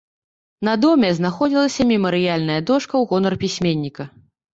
На доме знаходзілася мемарыяльная дошка ў гонар пісьменніка.